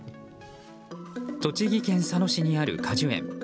栃木県佐野市にある果樹園。